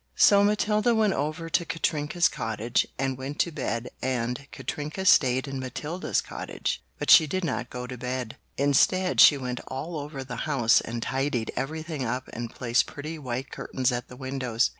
So Matilda went over to Katrinka's cottage and went to bed and Katrinka stayed in Matilda's cottage, but she did not go to bed. Instead she went all over the house and tidied everything up and placed pretty white curtains at the windows.